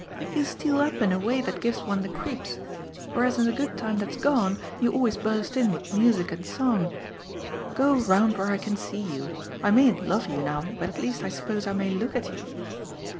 You steal up in a way that gives one the creeps, whereas in the good time that's gone you always burst in with music and song. Go round where I can see you: I mayn't love you now, but at least, I suppose, I may look at you.